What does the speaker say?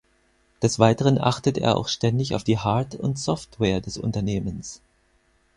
Des Weiteren achtet er auch ständig auf die Hard- und Software des Unternehmens.